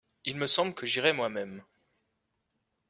Il me semble que j’irais moi-même.